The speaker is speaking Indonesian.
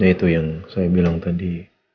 itu yang saya bilang tadi